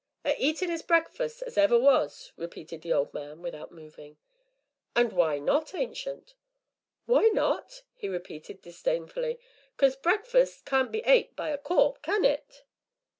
"A eatin' 'is breakfus' as ever was!" repeated the old man, without moving. "And why not, Ancient?" "Why not?" he repeated disdainfully. "'Cause breakfus' can't be ate by a corp', can it?"